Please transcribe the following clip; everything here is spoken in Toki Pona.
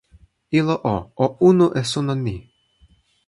ilo o, o unu e suno ni.